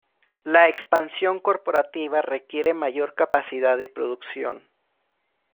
La expansión corporativa requiere mayor capacidad de producción.